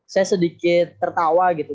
saya sedikit tertawa gitu